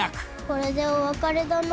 「これでお別れだな」